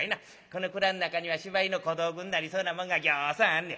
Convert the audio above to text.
この蔵ん中には芝居の小道具になりそうなもんがぎょうさんあんねや。